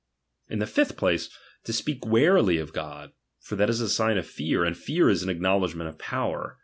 In the fifth place, to speak warily of God ; for ■that is a sign oi fear, ?mAfear is an acknowledg ment oi power.